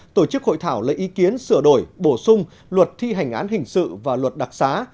tổ chức hội thảo lấy ý kiến sửa đổi bổ sung luật thi hành án hình sự và luật đặc xá